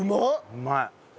うまい。